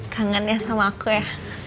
kangen ya sama aku ya